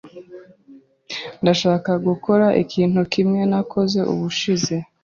Ndashaka gukora ikintu kimwe nakoze ubushize.